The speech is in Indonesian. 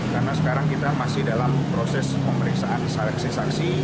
karena sekarang kita masih dalam proses pemeriksaan seleksi saksi